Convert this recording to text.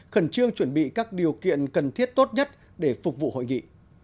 khẩn trương chuẩn bị các điều kiện cần thiết tốt nhất để phục vụ hội nghị